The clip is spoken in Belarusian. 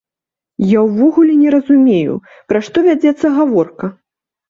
Я ўвогуле не разумею, пра што вядзецца гаворка!